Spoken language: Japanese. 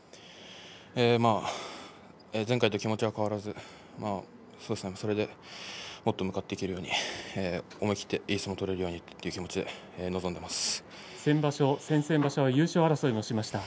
前回と気持ちは変わらずそれで、もっと残っていけるよう思い切っていい相撲が先場所、先々場所は優勝争いをしました。